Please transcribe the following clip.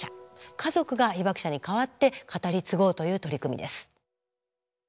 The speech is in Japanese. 家族が被爆者に代わって語り継ごうという取り組みです。